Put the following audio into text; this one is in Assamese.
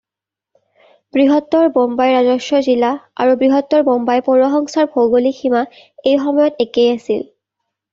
বৃহত্তৰ বোম্বাই ৰাজস্ব জিলা আৰু বৃহত্তৰ বোম্বাই পৌৰসংস্থাৰ ভৌগোলিক সীমা এই সময়ত একেই আছিল।